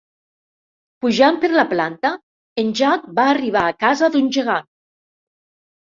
Pujant per la planta, en Jack va arribar a casa d'un gegant.